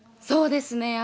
そうですね。